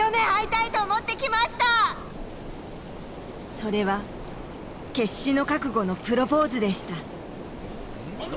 それは決死の覚悟のプロポーズでした何だ？